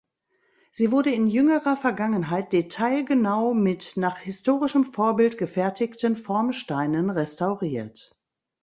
Sie wurde in jüngerer Vergangenheit detailgenau mit nach historischem Vorbild gefertigten Formsteinen restauriert.